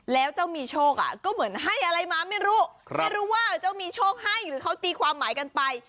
แล้วเจ้ามีโชคก็เหมือนให้อะไรมาไม่รู้ไม่รู้ว่าเจ้ามีโชคให้หรือเขาตีความหมายกันไป